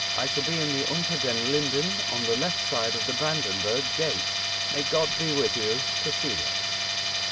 I shall be in the Unter den Linden, on the left side of the Brandenburg Gate. May God be with you. "POSELA."